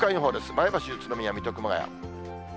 前橋、宇都宮、水戸、熊谷。